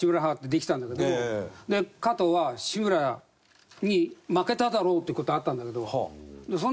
加藤は志村に負けただろうっていう事あったんだけど。